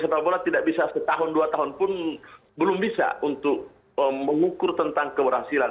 sepak bola tidak bisa setahun dua tahun pun belum bisa untuk mengukur tentang keberhasilan